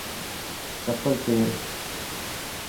چپل پير.